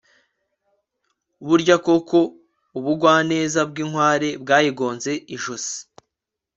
burya koko ubugwaneza bwinkware bwayigonze ijosi